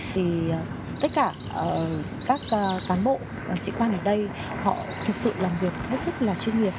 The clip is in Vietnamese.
thì tất cả các cán bộ sĩ quan ở đây họ thực sự làm việc rất là chuyên nghiệp